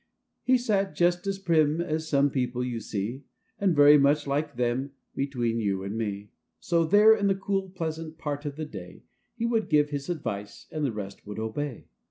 He sat just as prim as some people you see, And very much like them — between you and me ! So there in the cool, pleasant part of the day, He would give his advice, and the rest would obey.